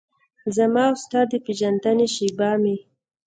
زما او ستا د پیژندنې شیبه مې